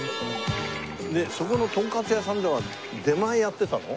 そこのとんかつ屋さんでは出前やってたの？